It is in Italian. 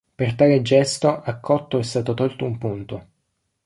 Per tale gesto a Cotto è stato tolto un punto.